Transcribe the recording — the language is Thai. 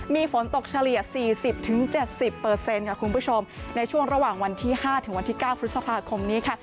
มีฝนตกเฉลี่ย๔๐๗๐ในช่วงระหว่างวันที่๕๙พฤษภาคมนี้